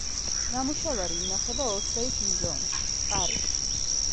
ნამუშევარი ინახება ორსეის მუზეუმში, პარიზში.